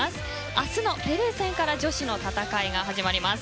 明日のペルー戦から女子の戦いが始まります。